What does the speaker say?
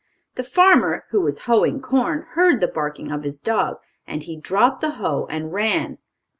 The farmer, who was hoeing corn, heard the barking of his dog. He dropped the hoe and ran.